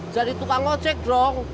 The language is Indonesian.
jadi tukang ojek dong